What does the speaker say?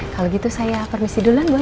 kalau gitu saya permisi dulu lah bu andin